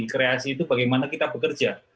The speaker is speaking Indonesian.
kreasi itu bagaimana kita bekerja